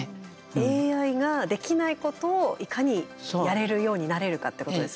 ＡＩができないことをいかにやれるようになれるかっていうことですね。